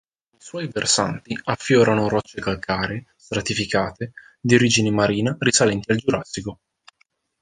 Sui suoi versanti affiorano rocce calcaree, stratificate, di origine marina risalenti al Giurassico.